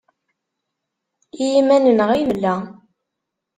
I yiman-nneɣ ay nella.